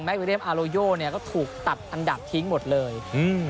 วิเรียมอาโลโยเนี่ยก็ถูกตัดอันดับทิ้งหมดเลยอืม